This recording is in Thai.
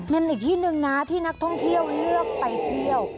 เป็นอีกที่หนึ่งนะที่นักท่องเที่ยวเลือกไปเที่ยว